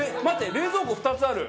冷蔵庫２つある！